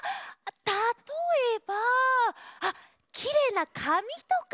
たとえばあっきれいなかみとか。